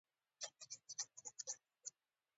د ستوري چاودنه د نوې نړۍ د زېږېدو نښه ده.